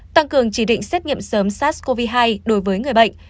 tăng cường chỉ định xét nghiệm sớm sars cov hai đối với người bệnh